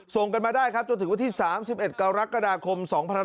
ส่งกันมาได้ครับจนถึงวันที่๓๑กรกฎาคม๒๕๖๒